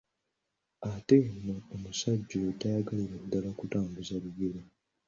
Ate nno omusajja oyo tayagalira ddala kutambuza bigere.